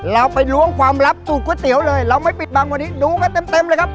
เราไปล้วงความลับสูตรก๋วยเตี๋ยวเลยเราไม่ปิดบังวันนี้ดูกันเต็มเลยครับ